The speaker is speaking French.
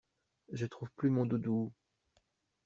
Je trouve plus mon doudou.